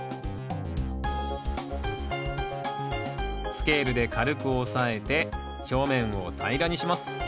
スケールで軽く押さえて表面を平らにします。